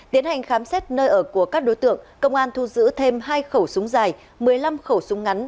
tiến hành khám xét nơi ở của các đối tượng công an thu giữ thêm hai khẩu súng dài một mươi năm khẩu súng ngắn